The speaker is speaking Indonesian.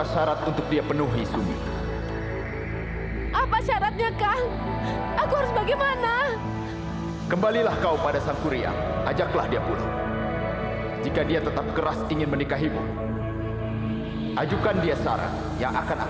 sampai jumpa di video selanjutnya